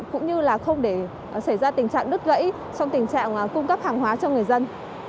cũng như là không để xảy ra tình trạng đứt gãy trong tình trạng cung cấp hàng hóa cho người dân